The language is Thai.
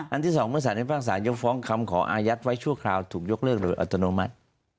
ที่สองเมื่อสารพิพากษายกฟ้องคำขออายัดไว้ชั่วคราวถูกยกเลิกโดยอัตโนมัติ